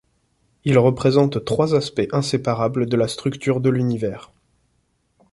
Ils représentent trois aspects inséparables de la structure de l'Univers.